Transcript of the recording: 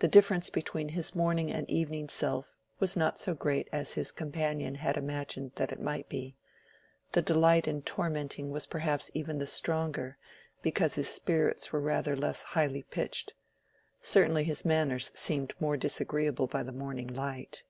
The difference between his morning and evening self was not so great as his companion had imagined that it might be; the delight in tormenting was perhaps even the stronger because his spirits were rather less highly pitched. Certainly his manners seemed more disagreeable by the morning light.